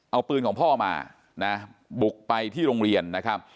เอาปืนของพ่อมานะบุกไปที่โรงเรียนนะครับ